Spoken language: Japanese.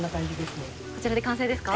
こちらで完成ですか？